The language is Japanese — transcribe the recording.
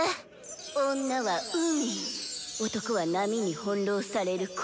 女は海男は波に翻弄される小舟。